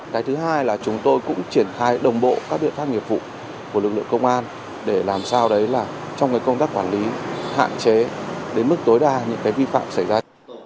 cái thứ hai là chúng tôi cũng triển khai đồng bộ các biện pháp nghiệp vụ của lực lượng công an để làm sao đấy là trong cái công tác quản lý hạn chế đến mức tối đa những vi phạm xảy ra